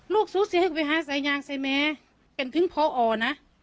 ลูกสู้เสียให้กูไปหาใส่ยางใส่แม่เป็นถึงพอออนะ